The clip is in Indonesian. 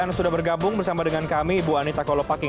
baik dan sudah bergabung bersama dengan kami bu anita kolopaki